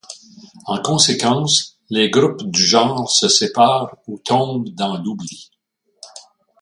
En conséquence, les groupes du genre se séparent ou tombent dans l'oubli.